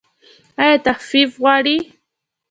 ایا تخفیف غواړئ؟